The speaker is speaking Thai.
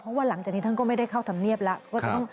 เพราะว่าหลังจากนี้ท่านก็ไม่ได้เข้าธรรมเนียบแล้วก็จะต้อง